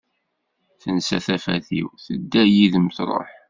Tensa tafat-iw, tedda yid-m truḥ.